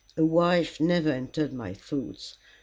A wife never entered my thoughts.